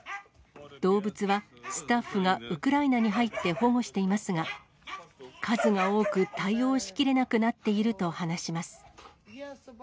動物は、スタッフがウクライナに入って保護していますが、数が多く、対応しきれなくなっていると話します。